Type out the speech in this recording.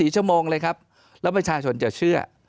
๔ชั่วโมงเลยครับแล้วประชาชนจะเชื่อ